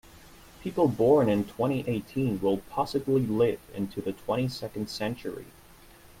People born in twenty-eighteen will possibly live into the twenty-second century.